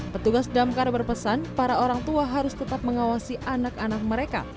petugas damkar berpesan para orang tua harus tetap mengawasi anak anak mereka